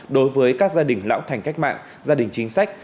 đối với các gia đình lão thành cách mạng gia đình chính sách